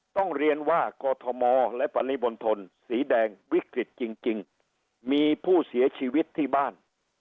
ต้องเรียนว่ากอทมและปริมณฑลสีแดงวิกฤตจริงมีผู้เสียชีวิตที่บ้าน